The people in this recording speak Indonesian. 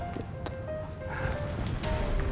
ya betul pak